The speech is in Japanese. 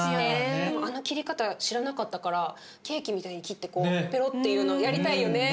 あの切り方知らなかったからケーキみたいに切ってペロッていうのやりたいよね。